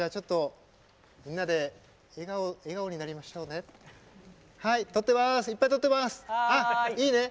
みんなで笑顔になりましょうね。